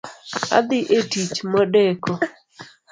Adhi e tich modeko